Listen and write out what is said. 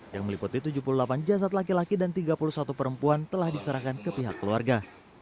yang meliputi tujuh puluh delapan jasad laki laki dan tiga puluh satu perempuan telah diserahkan ke pihak keluarga